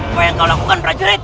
apa yang kau lakukan prajurit